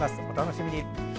お楽しみに。